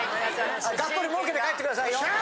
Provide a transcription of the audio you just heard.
がっぽり儲けて帰ってくださいよ。